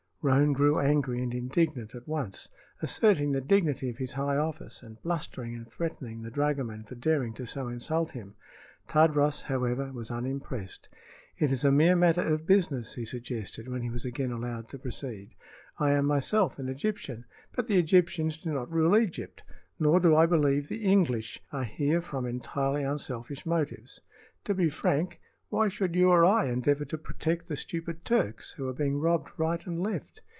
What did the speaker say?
Roane grew angry and indignant at once, asserting the dignity of his high office and blustering and threatening the dragoman for daring to so insult him. Tadros, however, was unimpressed. "It is a mere matter of business," he suggested, when he was again allowed to proceed. "I am myself an Egyptian, but the Egyptians do not rule Egypt. Nor do I believe the English are here from entirely unselfish motives. To be frank, why should you or I endeavor to protect the stupid Turks, who are being robbed right and left?